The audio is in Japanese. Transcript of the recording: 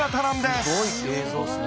すごい映像っすね。